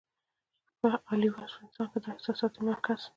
پۀ عالي وصف انسان کې د احساساتي مرکز